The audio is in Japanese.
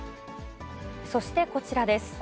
そしてこちらです。